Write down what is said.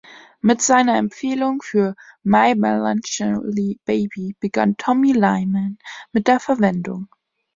Mit seiner Empfehlung für My Melancholy Baby begann Tommy Lyman mit der Verwendung.